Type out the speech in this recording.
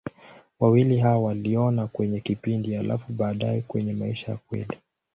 Wawili hao waliona kwenye kipindi, halafu baadaye kwenye maisha ya kweli.